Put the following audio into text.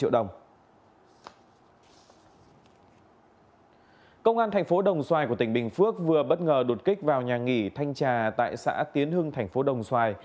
đồng xoài của tỉnh bình phước vừa bất ngờ đột kích vào nhà nghỉ thanh trà tại xã tiến hưng thành phố đồng xoài